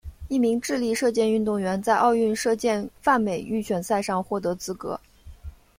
一名智利射箭运动员在奥运射箭泛美预选赛上获得资格。